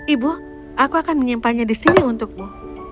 ibu aku akan menyimpannya di sini untukmu